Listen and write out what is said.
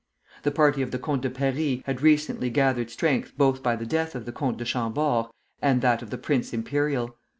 The party of the Comte de Paris had recently gathered strength both by the death of the Comte de Chambord and that of the Prince Imperial.